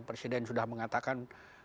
presiden sudah mengatakan